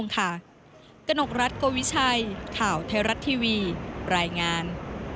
กนกรัฐโกวิชัยข่าวไทยรัฐทีวีรายงาน